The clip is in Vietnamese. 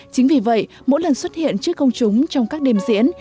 chính vì vậy mỗi lần xuất hiện trước công chúng trong các đêm diễn